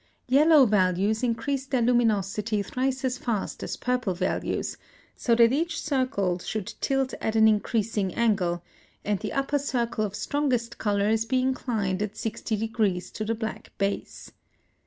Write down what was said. Yellow values increase their luminosity thrice as fast as purple values, so that each circle should tilt at an increasing angle, and the upper circle of strongest colors be inclined at 60° to the black base.